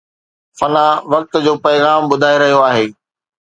فنا وقت جو پيغام ٻڌائي رهيو آهي